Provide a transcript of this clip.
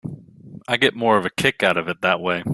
I get more of a kick out of it that way.